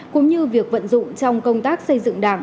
cũng như việc vận dụng trong công tác xây dựng đảng